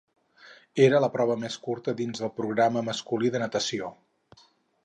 Era la prova més curta dins el programa masculí de natació.